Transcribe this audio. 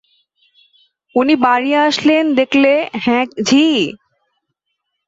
উনি বাড়ি আসচেন দেখলে, হ্যাঁয়া ঝি?